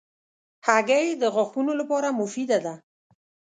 هګۍ د غاښونو لپاره مفیده ده.